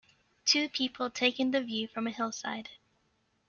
Two people take in the view from a hillside.